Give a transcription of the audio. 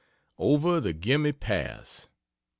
OVER THE GEMMI PASS. 4.